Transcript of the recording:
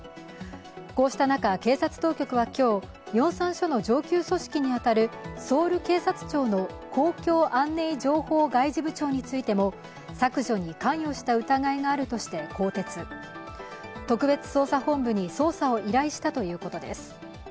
こうした中、警察当局は今日、ヨンサン署の上級組織に当たるソウル警察庁の公共安寧情報外事部長についても削除に関与した疑いがあるとして更迭、特別捜査本部に捜査を依頼したということです。